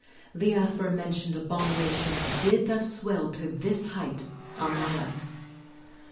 ' The afore mentioned abominations did thus swell to this height among us.